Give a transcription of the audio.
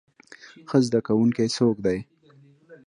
ښه زده کوونکی څوک دی؟